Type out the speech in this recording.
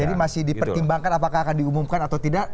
jadi masih dipertimbangkan apakah akan diumumkan atau tidak